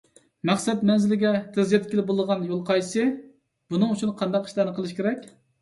مەقسەت مەنزىلىگە تېز يەتكىلى بولىدىغان يول قايسى، بۇنىڭ ئۈچۈن قانداق ئىشلارنى قىلىش كېرەك؟